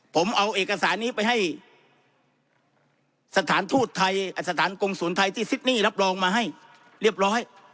ผมเอาเอกสารนี้ไปให้สถานทูตไทยสถานกงศูนย์ไทยที่ซิดนี่รับรองมาให้เรียบร้อย